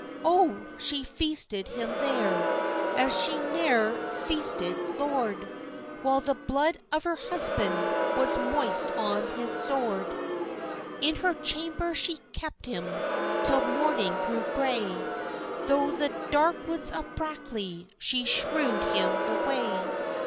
Oh! she feasted him there As she ne'er feasted lord, While the blood of her husband Was moist on his sword. "In her chamber she kept him Till morning grew gray, Thro' the dark woods of Brackley She shewed him the way.